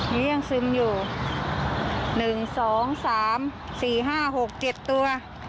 นี่ยังซึมอยู่หนึ่งสองสามสี่ห้าหกเจ็ดตัว